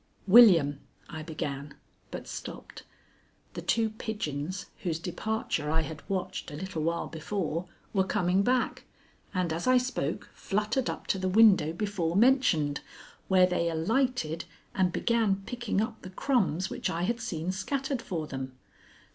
"William," I began, but stopped. The two pigeons whose departure I had watched a little while before were coming back, and, as I spoke, fluttered up to the window before mentioned, where they alighted and began picking up the crumbs which I had seen scattered for them.